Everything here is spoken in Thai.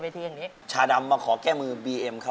ไม่เอามาครับ